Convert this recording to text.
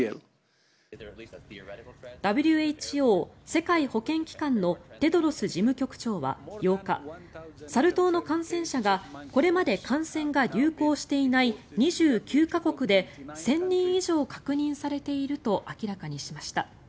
ＷＨＯ・世界保健機関のテドロス事務局長は８日サル痘の感染者がこれまで感染が流行していない２９か国で１０００人以上確認されていると明らかにしました。